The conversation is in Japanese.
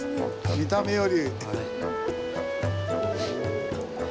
見た目より。